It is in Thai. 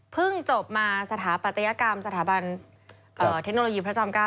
เพิ่งจบมาสถาปัตยกรรมสถาบันเทคโนโลยีพระความเกล้า